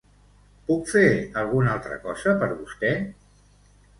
Puc fer alguna altra cosa per vostè?